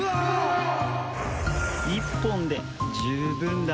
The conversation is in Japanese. １本で十分だ。